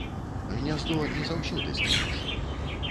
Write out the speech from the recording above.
Гняздо не заўсёды скінеш.